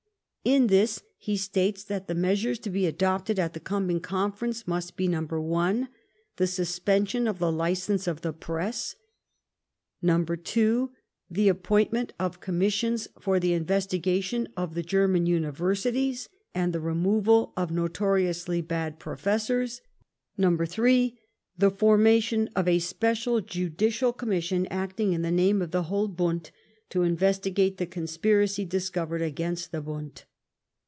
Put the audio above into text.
In this, he states that the measures to be adopted at the coming Conference must be (1) the .suspension of the licence of the press ; (2 ) the appoint ment of commissions for the investigation of the German Universities, and the removal of notoriously bad pro fessors ; (3) the formation of a special judicial commission a.cting in the name of the whole Bund, to investigate the conspiracy discovered against the Bund.